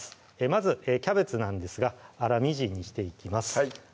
まずキャベツなんですが粗みじんにしていきます